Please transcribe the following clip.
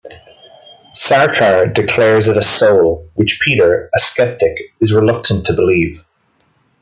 Sarkar declares it a soul, which Peter, a skeptic, is reluctant to believe.